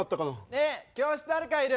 ねえ教室誰かいる？